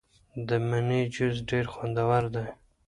د مڼې جوس ډیر خوندور دی.